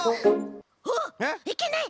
はっいけない！